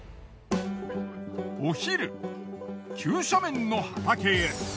お昼急斜面の畑へ。